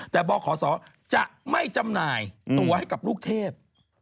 แต่บขศจะไม่จำหน่ายตัวให้กับลูกเทพ